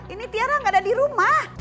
ini tiara gak ada di rumah